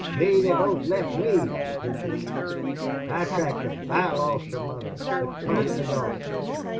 "'Lee, they both left me,' he hisses. 'I tracked them. I lost the mother, but caught the daughter.